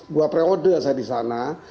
gua pre order saya di sana